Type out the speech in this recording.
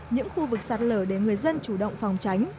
những khu vực sạt lở để người dân chủ động phòng tránh